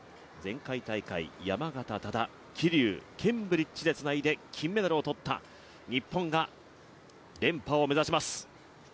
前回大会、山縣、多田、桐生ケンブリッジでつないで金メダルを取った日本が連覇を目指します。